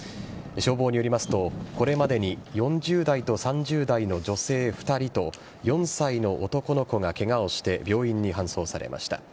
消防によりますとこれまでに４０代と３０代の女性２人と４歳の男の子がケガをして病院に搬送されました。